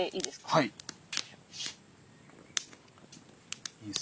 はい。